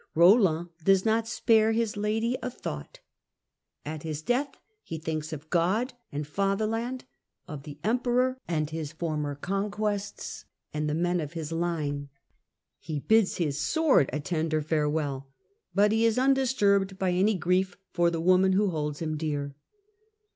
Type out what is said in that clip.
Roland does not spare his lady a thought. At his death, he thinks of God and father land, of the emperor and his former conquests, and the men of his line ; he bids his sword a tender fare well ; but he is undisturbed by any grief for the woman who holds him dear."